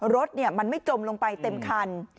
รถมันไม่จมลงไปเต็มคัน